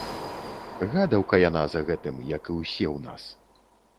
Гадаўка яна за гэтым, як і ўсе ў нас.